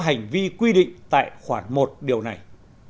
hành vi quy định tại khoảng một điều này